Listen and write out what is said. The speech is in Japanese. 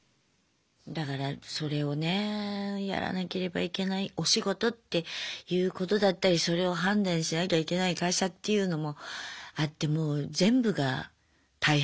だからそれをねやらなければいけないお仕事っていうことだったりそれを判断しなきゃいけない会社っていうのもあってもう全部が大変。